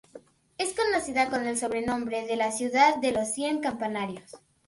Es conocida con el sobrenombre de la "Ciudad de los Cien Campanarios".